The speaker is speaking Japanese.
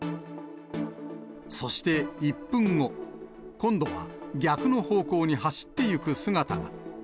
そして１分後、今度は逆の方向に走っていく姿が。